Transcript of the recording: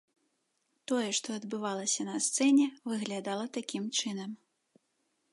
Тое, што адбывалася на сцэне, выглядала такім чынам.